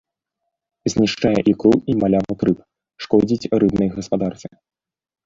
Знішчае ікру і малявак рыб, шкодзіць рыбнай гаспадарцы.